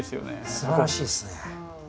すばらしいですね。